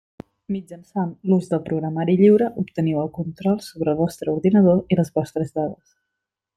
Mitjançant l'ús del programari lliure, obteniu el control sobre el vostre ordinador i les vostres dades.